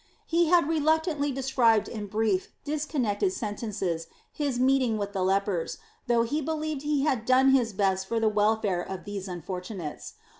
He had reluctantly described in brief, disconnected sentences his meeting with the lepers, though he believed he had done his best for the welfare of these unfortunates.